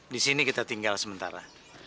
di sini kita tinggal sementara